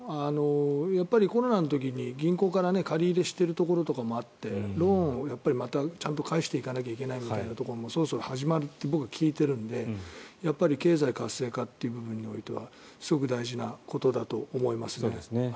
コロナの時に銀行から借り入れしているところとかもあってローンをまたちゃんと返していかないといけないみたいなこともそろそろ始まると僕、聞いているので経済活性化という部分においてはすごく大事なことだと思います。